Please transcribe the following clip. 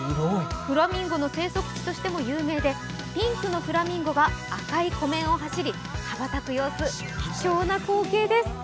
フラミンゴの生息地としても有名でピンクのフラミンゴが赤い湖面を走り羽ばたく様子、貴重な光景です。